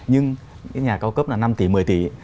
nhưng cái nhà cao cấp là năm tí một mươi tí